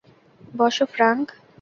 বসো, ফ্র্যাঙ্ক।